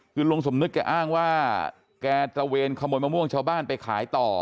คือลุงสมนึกแกอ้างว่าแกตระเวนขโมยมะม่วงชาวบ้านไปขายต่อ